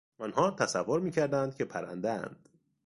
آنها تصور میکردند که پرندهاند.